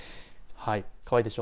かわいいでしょ。